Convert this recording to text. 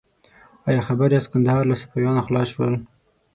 ایا خبر یاست کندهار له صفویانو خلاصول شو؟